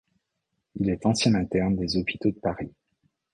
Il est ancien interne des hôpitaux de Paris.